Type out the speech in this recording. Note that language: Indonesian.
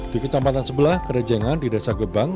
di kecamatan sebelah kerejengan di desa gebang